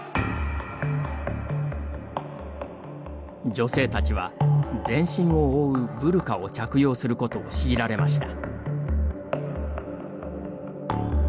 女性たちは、全身を覆うブルカを着用することを強いられました。